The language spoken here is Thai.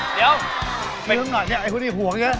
ลืมหน่อยเนี่ยไอ้ผู้นี้ห่วงเยอะ